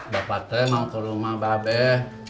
bapak teh mau ke rumah babeh